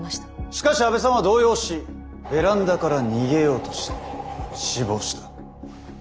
しかし阿部さんは動揺しベランダから逃げようとして死亡した。